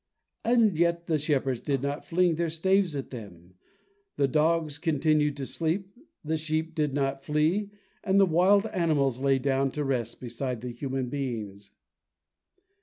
And yet the shepherds did not fling their staves at them, the dogs continued to sleep, the sheep did not flee, and the wild animals lay down to rest beside the human beings.